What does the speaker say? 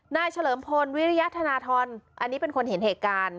เฉลิมพลวิริยธนทรอันนี้เป็นคนเห็นเหตุการณ์